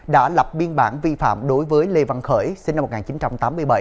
đã lập biên bản vi phạm đối với lê văn khởi sinh năm một nghìn chín trăm tám mươi bảy